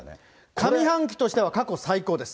上半期としては過去最高ですね。